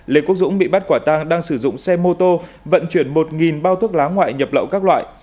lê quốc dũng bị bắt quả tang đang sử dụng xe mô tô vận chuyển một bao thuốc lá ngoại nhập lậu các loại